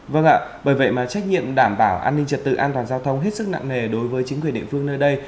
vâng ạ bởi vậy mà trách nhiệm đảm bảo an ninh trật tự an toàn giao thông hết sức nặng nề đối với chính quyền địa phương nơi đây